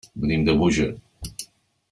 Venim de Búger.